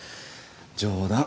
冗談。